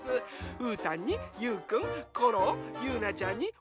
うーたんにゆうくんコロゆうなちゃんにワンワン。